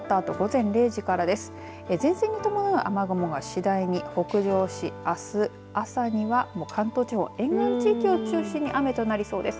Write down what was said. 前線に伴う雨雲が次第に北上しあす朝にはもう関東地方沿岸地域を中心に雨となりそうです。